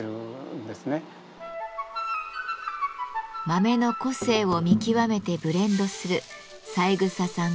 豆の個性を見極めてブレンドする三枝さん